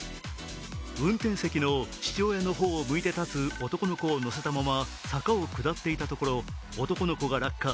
運転席の父親の方を向いて立つ男の子を乗せたまま坂を下っていたところ、男の子が落下。